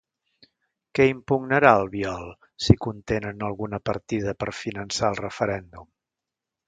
Què impugnarà Albiol si contenen alguna partida per finançar el referèndum?